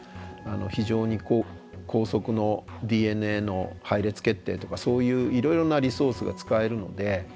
非常に高速のＤＮＡの配列決定とかそういういろいろなリソースが使えるので。